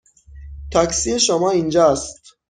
تاکسی شما اینجا است.